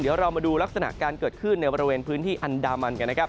เดี๋ยวเรามาดูลักษณะการเกิดขึ้นในบริเวณพื้นที่อันดามันกันนะครับ